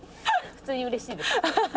普通にうれしいです。